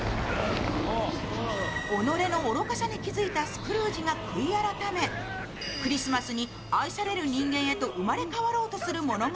己の愚かさに気付いたスクルージが悔い改めクリスマスに愛される人間へと生まれ変わろうとする物語。